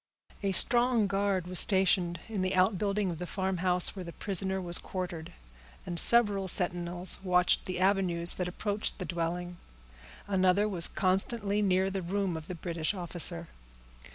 A strong guard was stationed in the outbuilding of the farmhouse where the prisoner was quartered, and several sentinels watched the avenues that approached the dwelling. Another was constantly near the room of the British officer.